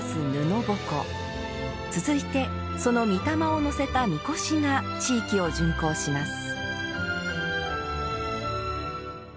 続いて、そのみ霊をのせた神輿が地域を巡行します。